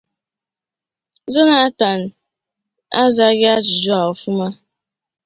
Jonathan azaghị ajụjụ a ọfụma.